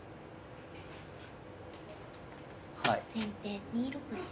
先手２六飛車。